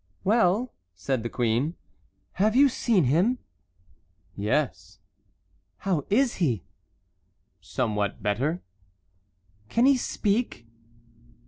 "Well," said the queen, "have you seen him?" "Yes." "How is he?" "Somewhat better." "Can he speak?"